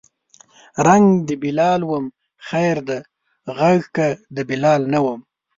رنګ د بلال وم خیر دی غږ که د بلال نه وم